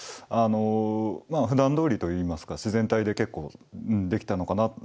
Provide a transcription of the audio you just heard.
あのまあふだんどおりといいますか自然体で結構できたのかな